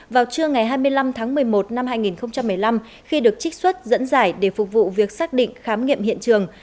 vào trưa ngày hai mươi năm tháng một mươi một năm hai nghìn một mươi năm khi được trích xuất dẫn giải để phục vụ việc xác định khám nghiệm hiện trường